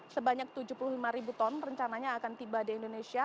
sebanyak tujuh puluh lima ribu ton rencananya akan tiba di indonesia